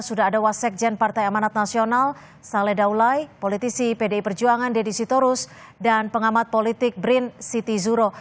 sudah ada wasekjen partai amanat nasional saleh daulai politisi pdi perjuangan deddy sitorus dan pengamat politik brin siti zuro